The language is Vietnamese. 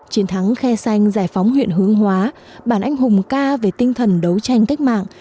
chiến thắng khe xanh giải phóng huyện hướng hóa bản anh hùng ca về tinh thần đấu tranh cách mạng